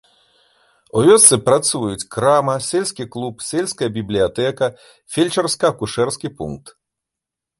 У вёсцы працуюць крама, сельскі клуб, сельская бібліятэка, фельчарска-акушэрскі пункт.